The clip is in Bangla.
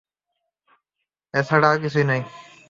এছাড়া আর কিছু নয়।